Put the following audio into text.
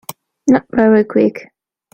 Not very Quick.